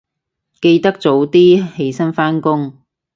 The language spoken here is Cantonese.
記得早啲起身返工